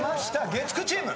月９チーム。